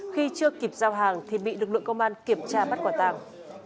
khi chưa kịp giao hàng thì bị lực lượng công an kiểm tra bắt quả tàng